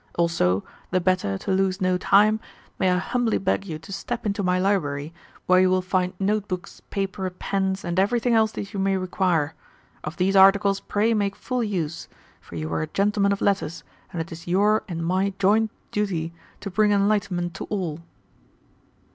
Also, the better to lose no time, may I humbly beg you to step into my library, where you will find notebooks, paper, pens, and everything else that you may require. Of these articles pray make full use, for you are a gentleman of letters, and it is your and my joint duty to bring enlightenment to all."